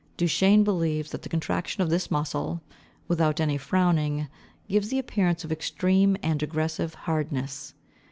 Duchenne believes that the contraction of this muscle, without any frowning, gives the appearance of extreme and aggressive hardness.